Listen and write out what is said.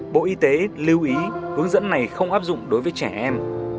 bộ y tế lưu ý hướng dẫn này không áp dụng đối với trẻ em